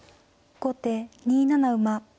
後手２七馬。